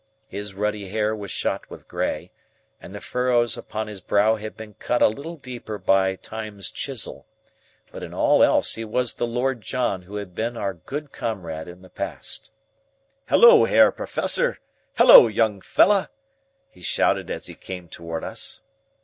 His ruddy hair was shot with grey, and the furrows upon his brow had been cut a little deeper by Time's chisel, but in all else he was the Lord John who had been our good comrade in the past. "Hullo, Herr Professor! Hullo, young fella!" he shouted as he came toward us.